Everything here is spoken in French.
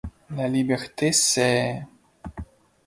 La liberté c'est…